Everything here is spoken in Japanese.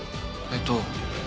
えっと